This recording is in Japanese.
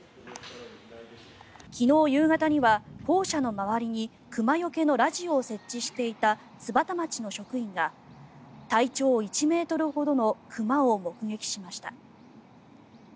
昨日夕方には校舎の周りに熊よけのラジオを設置していた津幡町の職員が体長１ｍほどの熊を目撃しました。